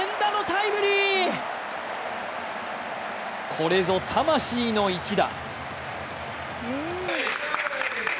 これぞ魂の一打。